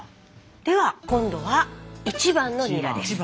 では今度は１番のニラです。